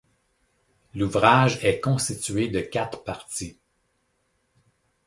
L’ouvrage est constitué de quatre parties.